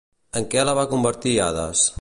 En què la va convertir Hades?